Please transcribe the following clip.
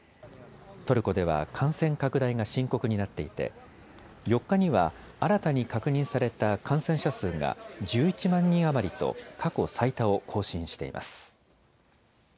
トルコでは感染拡大が深刻になっていて４日には、新たに確認された感染者数が１１万人余りと過去最多を更新しています。